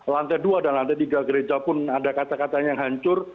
lantai dua dan lantai tiga gereja pun ada kaca kacanya yang hancur